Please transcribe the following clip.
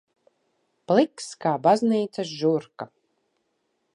Pliks kā baznīcas žurka.